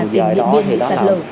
tìm điện miên bị sạc lở